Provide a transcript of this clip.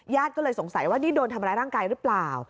ก็เลยสงสัยว่านี่โดนทำร้ายร่างกายหรือเปล่า